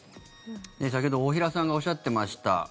先ほど大平さんがおっしゃっていました。